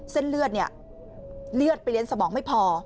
เส้นเลือดเนี่ยเลือดไปเลี้ยงสมองไม่พอ